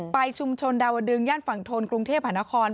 ไปชุมชนดาวดึงย่านฝั่งทนกรุงเทพหานคร